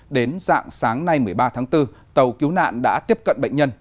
đến dạng sáng nay một mươi ba tháng bốn tàu cứu nạn đã tiếp cận bệnh nhân